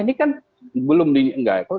ini kan belum di enggak ya